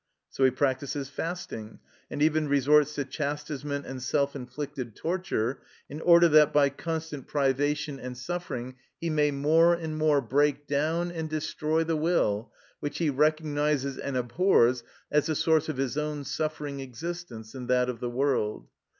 So he practises fasting, and even resorts to chastisement and self inflicted torture, in order that, by constant privation and suffering, he may more and more break down and destroy the will, which he recognises and abhors as the source of his own suffering existence and that of the world.